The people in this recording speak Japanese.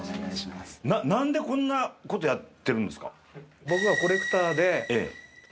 なんでこんな事やってるんですか？